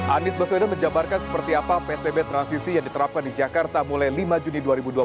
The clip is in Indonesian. anies baswedan menjabarkan seperti apa psbb transisi yang diterapkan di jakarta mulai lima juni dua ribu dua puluh